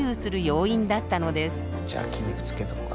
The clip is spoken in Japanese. じゃあ筋肉つけとくか。